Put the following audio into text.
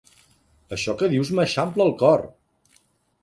Això que dius m'eixampla el cor!